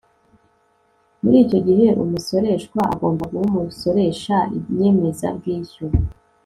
muri icyo gihe umusoreshwa agomba guha usoresha inyemezabwishyu